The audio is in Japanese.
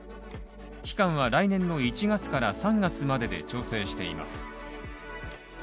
期間は来年の１月から３月までで調整しています。